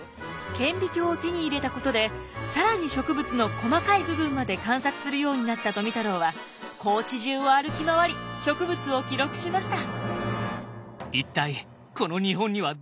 顕微鏡を手に入れたことで更に植物の細かい部分まで観察するようになった富太郎は高知中を歩き回り植物を記録しました。